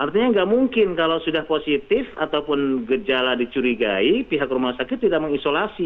artinya nggak mungkin kalau sudah positif ataupun gejala dicurigai pihak rumah sakit tidak mengisolasi